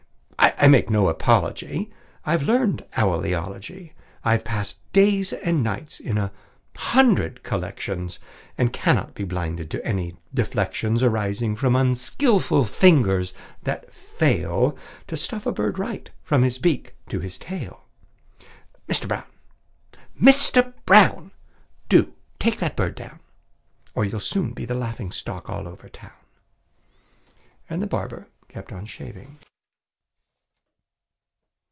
I make no apology; I've learned owl eology. I've passed days and nights in a hundred collections, And cannot be blinded to any deflections Arising from unskilful fingers that fail To stuff a bird right, from his beak to his tail. Mister Brown! Mister Brown! Do take that bird down, Or you'll soon be the laughing stock all over town!" And the barber kept on shaving.